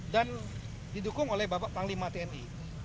dan didukung oleh bapak panglima tni